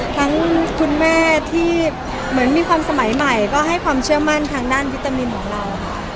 คุณแม่ที่เหมือนมีความสมัยใหม่ก็ให้ความเชื่อมั่นทางด้านวิตามินของเรา